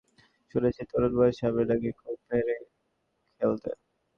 Australian সাংবাদিকদের মুখে শুনেছি, তরুণ বয়সে আপনি নাকি খুব মেরে খেলতেন।